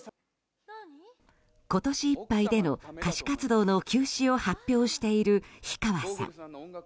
今年いっぱいでの歌手活動の休止を発表している氷川さん。